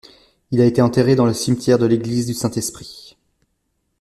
Il a été enterré dans le cimetière de l'église du Saint-Esprit.